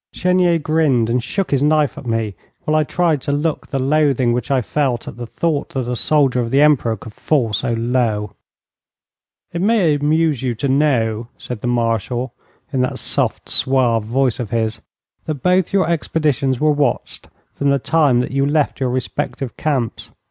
Chenier grinned and shook his knife at me, while I tried to look the loathing which I felt at the thought that a soldier of the Emperor could fall so low. 'It may amuse you to know,' said the Marshal, in that soft, suave voice of his, 'that both your expeditions were watched from the time that you left your respective camps.